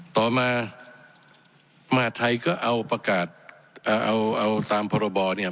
ต่อมามหาทัยก็เอาประกาศเอาเอาตามพรบเนี่ย